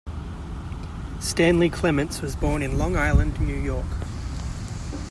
Stanley Clements was born in Long Island, New York.